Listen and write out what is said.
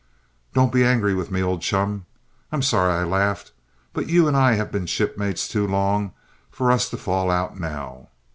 "Don't be angry with me, old chum. I'm sorry I laughed; but you and I have been shipmates too long together for us to fall out now.